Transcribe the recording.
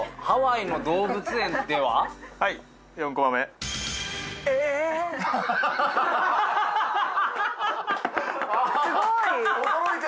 ハワイの動物園でも。